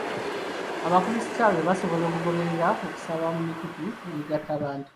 Abakrisitaayo basobola okugoberera okusaba ku mikutu emigattabantu.